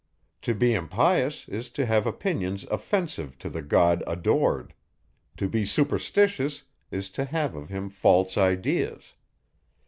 To be impious, is to have opinions offensive to the God adored; to be superstitious, is to have of him false ideas.